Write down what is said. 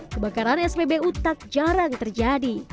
kebakaran spbu tak jarang terjadi